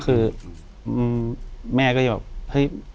อยู่ที่แม่ศรีวิรัยิลครับ